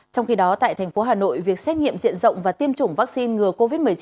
trong khi đó tại thành phố hà nội việc xét nghiệm diện rộng và tiêm chủng vaccine ngừa covid một mươi chín